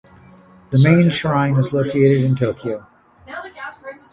The main shrine is located in Tokyo.